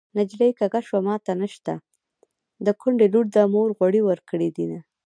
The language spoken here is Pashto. نجلۍ کږه شوه ماته نشته د کونډې لور ده مور غوړي ورکړې دينه